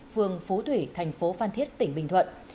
phường phú thủy thành phố phan thiết tỉnh bình thuận